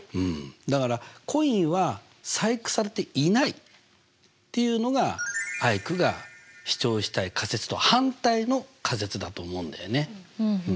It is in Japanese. だから「コインは細工されていない」っていうのがアイクが主張したい仮説と反対の仮説だと思うんだよね。